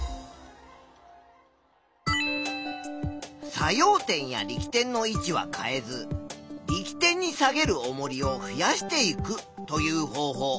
作用点や力点の位置は変えず「力点に下げるおもりを増やしていく」という方法。